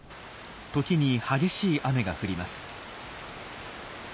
時に激しい雨が降ります。